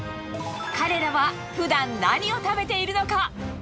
彼らは、ふだん何を食べているのか。